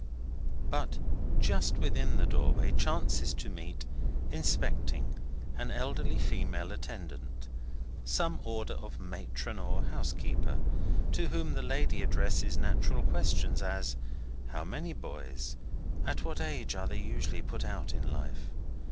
But just within the doorway, chances to stand, inspecting, an elderly female attendant: some order of matron or housekeeper. To whom the lady addresses natural questions: As, how many boys? At what age are they usually put out in life?